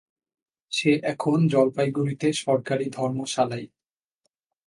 সে এখন জলপাইগুড়িতে সরকারি ধর্মশালায়।